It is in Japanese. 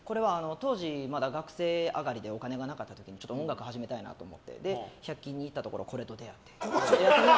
当時、学生上がりでお金がなかった時に音楽始めたいなと思って１００均行った時にこれと出会って。